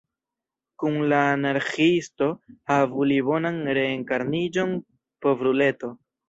Kun la Anarĥiisto – havu li bonan reenkarniĝon, povruleto!